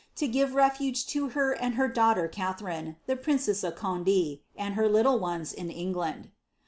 to give refuge lo her and her daughter Cuhc rine. the princess of Conde, and her little ones in England.